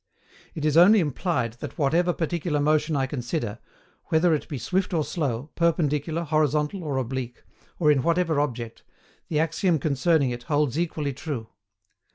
It is only implied that whatever particular motion I consider, whether it be swift or slow, perpendicular, horizontal, or oblique, or in whatever object, the axiom concerning it holds equally true.